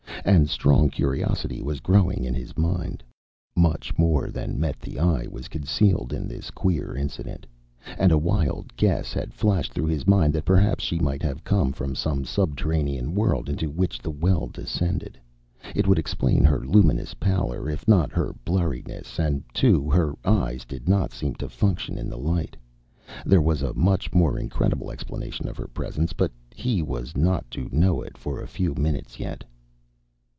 And strong curiosity was growing in his mind. Much more than met the eye was concealed in this queer incident. And a wild guess had flashed through his mind that perhaps she might have come from some subterranean world into which the well descended. It would explain her luminous pallor, if not her blurriness; and, too, her eyes did not seem to function in the light. There was a much more incredible explanation of her presence, but he was not to know it for a few minutes yet.